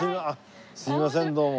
すみませんどうも。